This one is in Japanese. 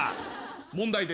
問題です。